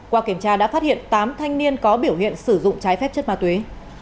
qua kiểm tra đã phát hiện tám thanh niên có biểu hiện sử dụng trái phép chất ma túy